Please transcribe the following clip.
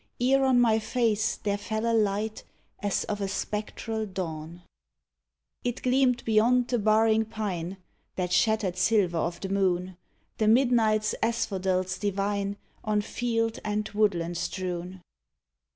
Ere on my face there fell a light As of a spectral dawn. 108 moonlight! in tHE PINES It gleamed beyond the barring pine — That shattered silver of the moon — The midnight's asphodels divine On field and woodland strewn.